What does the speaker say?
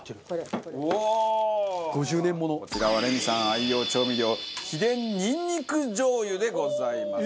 バカリズム：こちらはレミさん愛用調味料秘伝にんにく醤油でございます。